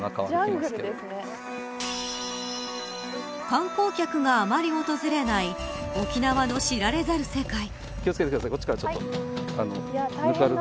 観光客があまり訪れない沖縄の知られざる世界。